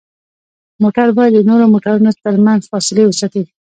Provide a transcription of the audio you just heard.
موټر باید د نورو موټرونو ترمنځ فاصلې وساتي.